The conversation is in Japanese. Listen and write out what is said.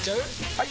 ・はい！